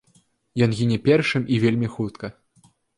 Ён гіне першым і вельмі хутка.